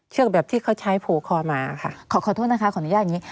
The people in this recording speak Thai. แบบที่เขาใช้โผล่คอมาค่ะขอขอโทษนะคะขออนุญาตอย่างนี้